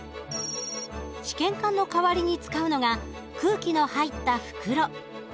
試験管の代わりに使うのが空気の入った袋。